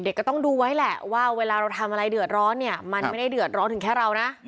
ก็ต้องดูไว้แหละว่าเวลาเราทำอะไรเดือดร้อนเนี่ยมันไม่ได้เดือดร้อนถึงแค่เรานะ